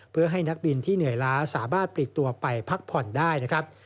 เพื่อให้นักบินที่เหนื่อยล้าสามารถปิดตัวไปพักผ่อนได้นะครับ